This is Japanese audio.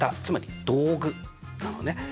つまり道具なのね。